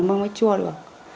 măng mai chua được